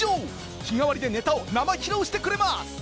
日替わりでネタを生披露してくれます。